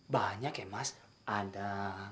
banyak ya mas ada